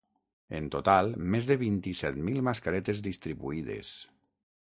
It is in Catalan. En total, més de vint-i-set mil mascaretes distribuïdes.